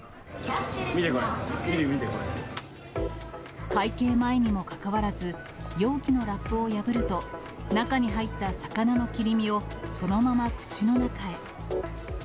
見てこれ、会計前にもかかわらず、容器のラップを破ると、中に入った魚の切り身を、そのまま口の中へ。